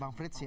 bang frits ya